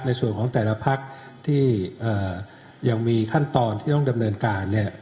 ในส่วนของแต่ละพักที่ยังมีขั้นตอนที่ต้องดำเนินการเนี่ย